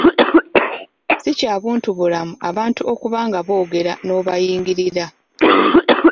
Si kya buntubulamu abantu okuba nga boogera n’obayingirira.